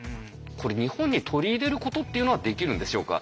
これ日本に取り入れることっていうのはできるんでしょうか？